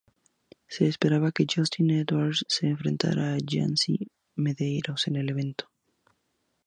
Se esperaba que Justin Edwards se enfrentara a Yancy Medeiros en el evento.